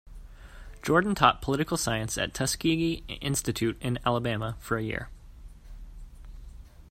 Jordan taught political science at Tuskegee Institute in Alabama for a year.